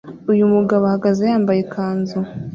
Uyu mugabo ahagaze yambaye ikanzu